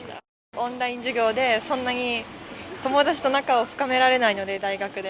オンライン授業で、そんなに友達と仲を深められないので、大学で。